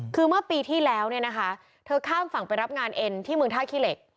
คือเมื่อปีที่แล้วเนี่ยนะคะเธอข้ามฝั่งไปรับงานเอ็นที่เมืองท่าขี้เหล็ก